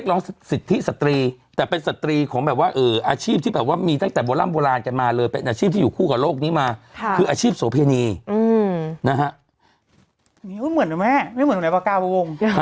มันเหมือนแม่ไม่เหมือนไหนปลากาวน์บริโวง